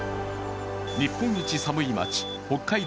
日本一寒い町、北海道